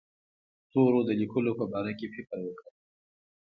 تورو د لیکلو په باره کې فکر وکړ.